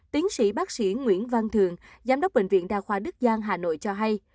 tiến sĩ bác sĩ nguyễn văn thường giám đốc bệnh viện đa khoa đức giang hà nội cho hay